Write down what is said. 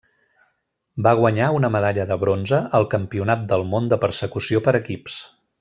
Va guanyar una medalla de bronze al Campionat del món de Persecució per equips.